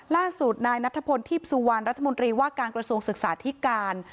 ล่าสุดนายนัทพลทีพสุวรรณรัฐมนตรีว่าการกระทรวงศึกษาธิการ